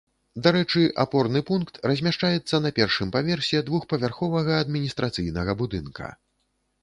Дарэчы, апорны пункт размяшчаецца на першым паверсе двухпавярховага адміністрацыйнага будынка.